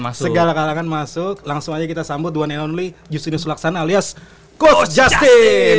masuk kalangan masuk langsung aja kita sambut one and only justinus laksana alias coach justin